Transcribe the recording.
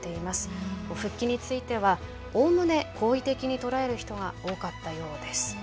復帰についてはおおむね好意的に捉える人が多かったようです。